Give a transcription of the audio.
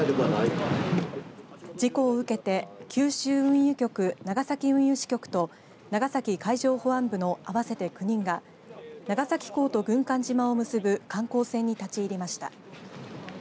事故を受けて九州運輸局長崎運輸支局と長崎海上保安部の合わせて９人が長崎港と軍艦島を結ぶ観光船に立ち入りました。